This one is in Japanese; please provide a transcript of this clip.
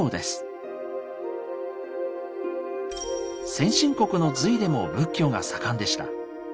先進国の隋でも仏教が盛んでした。